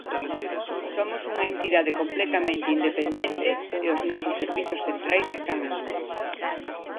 Somos unha entidade completamente independente e os nosos servizos centrais están en Lugo.